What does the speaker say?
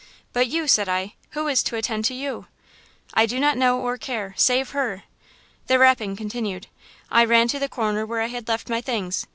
"'But you,' said I, 'who is to attend to you?' "'I do not know or care! Save her!' "The rapping continued. I ran to the corner where I had left my things.